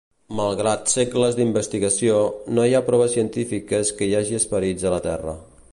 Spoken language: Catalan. Malgrat segles d'investigació, no hi ha proves científiques que hi hagi esperits a la Terra.